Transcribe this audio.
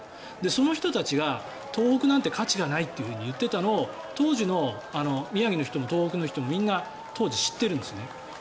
その人たちが東北なんて価値がないと言っていたのを当時の宮城の人も東北の人もみんな当時知ってるんですね。